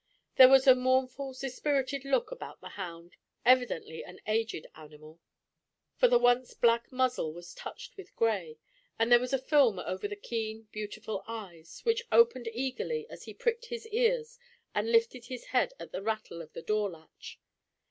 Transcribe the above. There was a mournful dispirited look about the hound, evidently an aged animal, for the once black muzzle was touched with grey, and there was a film over one of the keen beautiful eyes, which opened eagerly as he pricked his ears and lifted his head at the rattle of the door latch.